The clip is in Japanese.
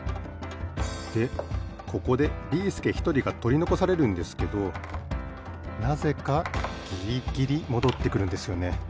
でここでビーすけひとりがとりのこされるんですけどなぜかギリギリもどってくるんですよね。